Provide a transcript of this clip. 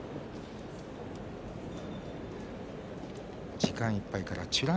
時間いっぱいから美ノ